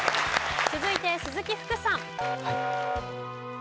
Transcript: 続いて鈴木福さん。